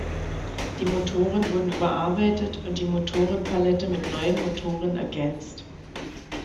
Die Motoren wurden überarbeitet und die Motorenpalette mit neuen Motoren ergänzt.